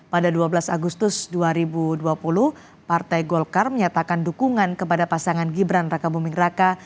pada dua belas agustus dua ribu dua puluh partai golkar menyatakan dukungan kepada pasangan gibran raka buming raka